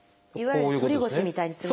いわゆる反り腰みたいにする。